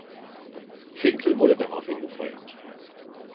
Finkel wurde daraufhin gefeuert.